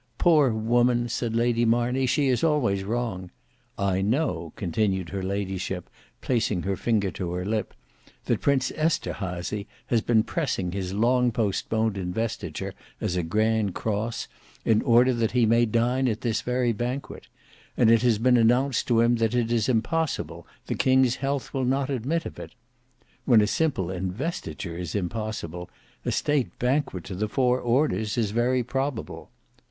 "Poor woman!" said Lady Marney, "she is always wrong. I know," continued her ladyship, placing her finger to her lip, "that Prince Esterhazy has been pressing his long postponed investiture as a Grand Cross, in order that he may dine at this very banquet; and it has been announced to him that it is impossible, the king's health will not admit of it. When a simple investiture is impossible, a state banquet to the four orders is very probable.